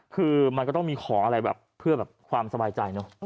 คือมันก็ต้องมีของอะไรแบบเพื่อแบบความสบายใจเนอะ